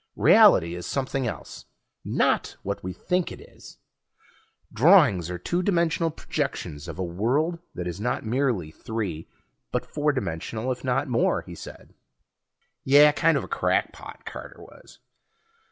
Reality is something else, not what we think it is. Drawings are two dimensional projections of a world that is not merely three but four dimensional, if not more," he said. Yeh, kind of a crackpot, Carter was.